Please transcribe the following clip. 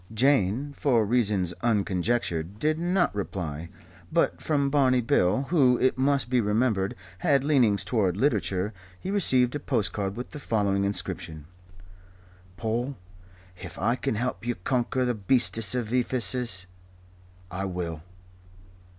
Jane, for reasons unconjectured, did not reply. But from Barney Bill, who, it must be remembered, had leanings toward literature, he received a postcard with the following inscription: "Paul, Hif I can help you konker the Beastes of Effesus I will.